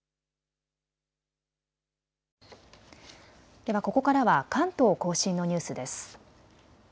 ではここからは関東甲信のニュースです。